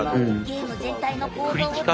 ゲーム全体の構造を作り。